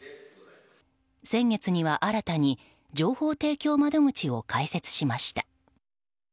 先月には新たに情報提供窓口を開設しました。